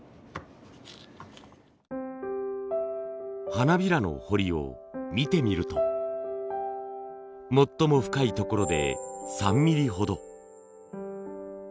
花びらの彫りを見てみると最も深いところで３ミリほど。